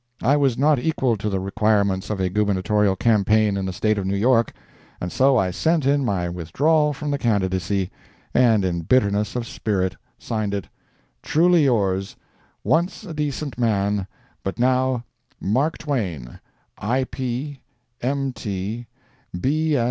I was not equal to the requirements of a Gubernatorial campaign in the State of New York, and so I sent in my withdrawal from the candidacy, and in bitterness of spirit signed it, "Truly yours, "Once a decent man, but now "MARK TWAIN, I. P., M.